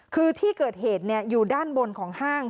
คือที่เกิดเหตุอยู่ด้านบนของห้าง